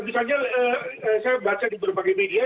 misalnya saya baca di berbagai media